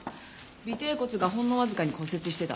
尾てい骨がほんのわずかに骨折してた。